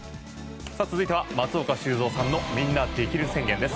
続いては松岡修造さんのみんなできる宣言です。